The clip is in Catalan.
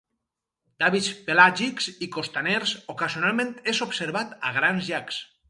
D'hàbits pelàgics i costaners, ocasionalment és observat a grans llacs.